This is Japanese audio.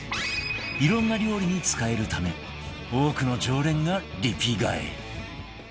いろんな料理に使えるため多くの常連がリピ買い